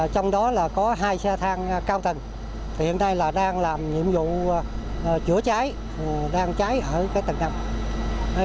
trong đó là có hai xe thang cao tầng hiện nay đang làm nhiệm vụ chữa cháy đang cháy ở tầng năm